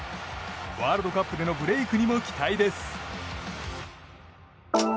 ワールドカップでのブレークにも期待です。